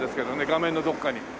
画面のどこかに。